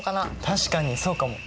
確かにそうかも！